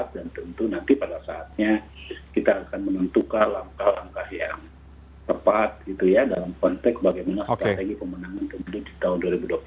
dan tentu nanti pada saatnya kita akan menentukan langkah langkah yang tepat dalam konteks bagaimana strategi pemenangnya tentu di tahun dua ribu dua puluh empat